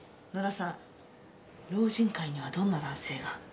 野田さん老人会にはどんな男性が？